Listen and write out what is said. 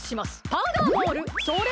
パウダーボールそれ！